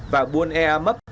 và buôn ea mấp